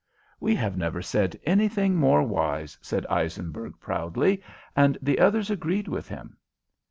"We have never said anything more wise," said Eisenberg, proudly, and the others agreed with him.